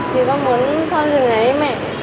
thì con muốn sau những ngày ấy mẹ